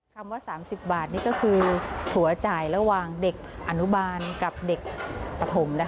คำว่า๓๐บาทนี่ก็คือถั่วจ่ายระหว่างเด็กอนุบาลกับเด็กปฐม